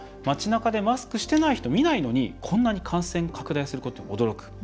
町なかでマスクしてない人見ないのに、こんなに感染拡大することに驚く。